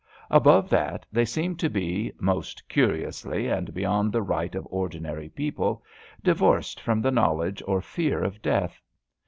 Above that they seem to be, most curiously and beyond the right of ordinary people, divorced from the knowledge or fear of death.